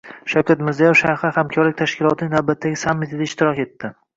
Shavkat Mirziyoyev Shanxay hamkorlik tashkilotining navbatdagi sammitida ishtirok etdi